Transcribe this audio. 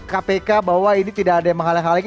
kpk bahwa ini tidak ada yang menghalang halangi